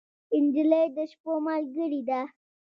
نجلۍ د شپو ملګرې ده.